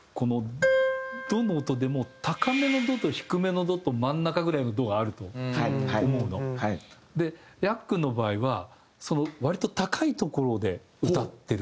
「ド」の音でも高めの「ド」と低めの「ド」と真ん中ぐらいの「ド」があると思うの。でやっくんの場合は割と高いところで歌ってる。